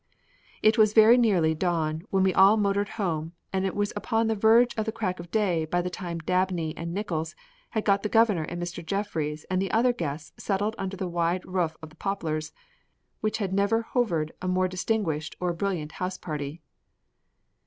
It was very near dawn when we all motored home and it was upon the verge of the crack of day by the time Dabney and Nickols had got the Governor and Mr. Jeffries and the other guests settled under the wide roof of the Poplars, which had never hovered a more distinguished or brilliant house party.